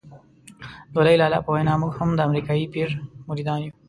د لوی لالا په وینا موږ هم د امریکایي پیر مریدان یو.